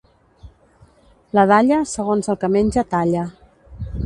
La dalla, segons el que menja, talla.